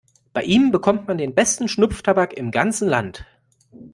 Bei ihm bekommt man den besten Schnupftabak im ganzen Land.